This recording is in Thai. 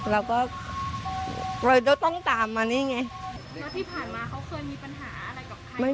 เราก็เราก็ต้องตามมานี่ไง